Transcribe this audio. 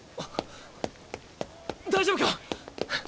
大丈夫か！